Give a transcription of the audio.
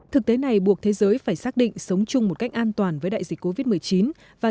thực tế này buộc thế giới phải xác định sống chung một cách an toàn với đại dịch covid một mươi chín và